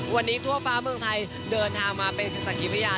วันนี้ทั่วฟ้าเมืองไทยเดินทางมาเป็นศึกษากิวิทยา